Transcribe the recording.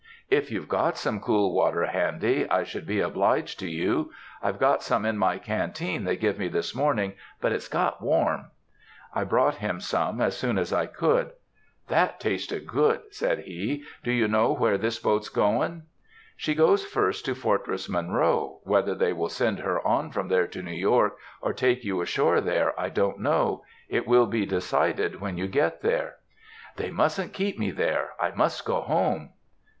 "If you've got some cool water handy, I should be obliged to you. I've got some in my canteen they give me this morning, but it's got warm." I brought him some, as soon as I could. "That tastes good," says he. "Do you know where this boat's goin'?" "She goes first to Fortress Monroe; whether they will send her on from there to New York, or take you ashore there, I don't know. It will be decided when you get there." "They mustn't keep me there. I must go home."